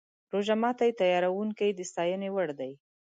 روژه ماتي تیاروونکي د ستاینې وړ دي.